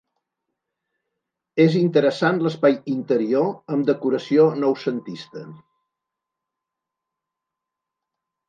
És interessant l'espai interior, amb decoració noucentista.